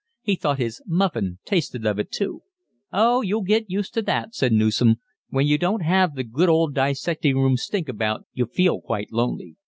He thought his muffin tasted of it too. "Oh, you'll get used to that," said Newson. "When you don't have the good old dissecting room stink about, you feel quite lonely."